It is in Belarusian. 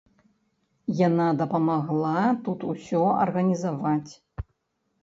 Яна дапамагла тут усё арганізаваць.